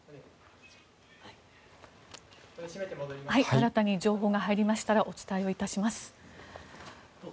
新たに情報が入りましたらお伝えします。